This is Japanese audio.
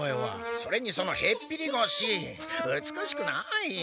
それにそのへっぴりごし！美しくない！